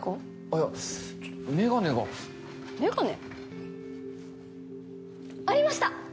いやメガネがメガネ？ありました！